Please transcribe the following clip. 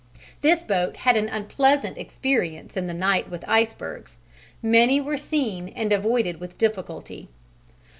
This boat had an unpleasant experience in the night with icebergs; many were seen and avoided with difficulty.